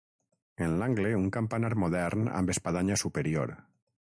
En l'angle un campanar modern amb espadanya superior.